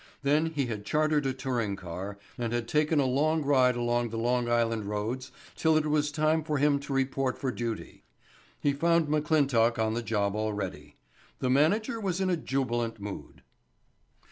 Then he had chartered a touring car and had taken a long ride along the Long Island roads until it was time for him to report for duty. He found McClintock on the job already. The manager was in a jubilant mood.